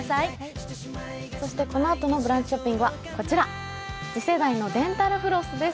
このあとの「ブランチ」ショッピングは次世代のデンタルフロスです。